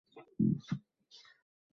সে আমার দাদা, স্যার।